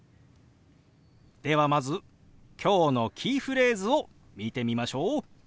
ではまず今日のキーフレーズを見てみましょう。